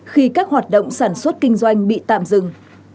khi các hoạt động sản xuất kinh doanh bị tạm dừng